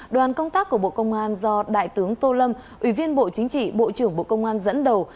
đoàn công tác của bộ công an do đại tướng tô lâm ủy viên bộ chính trị bộ trưởng bộ công an dẫn đầu